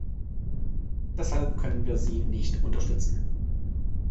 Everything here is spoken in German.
Deshalb können wir sie nicht unterstützen.